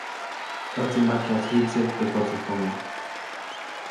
‒ʼÄjtsi majkyajuʼtsi jikseʼk teʼ kotsäjkomo-.